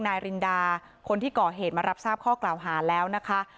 นายรินดาคนที่ก่อเหตุมารับทราบข้อกล่าวหาแล้วนะคะ